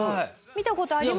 見た事あります？